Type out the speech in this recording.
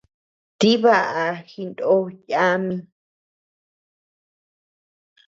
Tibaʼa jinoo yami.